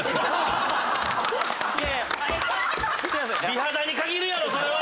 美肌に限るやろそれは！